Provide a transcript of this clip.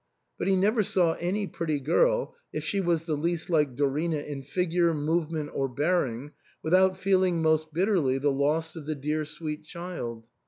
But he never saw any pretty girl, if she was the least like Dorina in figure, movement, or bearing, without feeling most bitterly the loss of the dear sweet child.